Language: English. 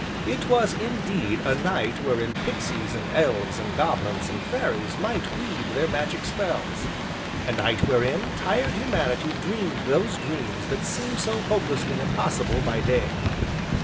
It was, indeed, a night wherein pixies, and elves, and goblins, and fairies might weave their magic spells, a night wherein tired humanity dreamed those dreams that seem so hopelessly impossible by day.